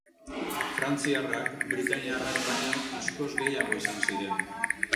Frantziarrak britainiarrak baino askoz gehiago izan ziren.